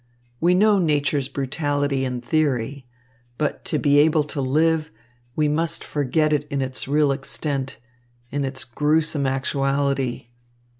We know nature's brutality in theory; but to be able to live, we must forget it in its real extent, in its gruesome actuality.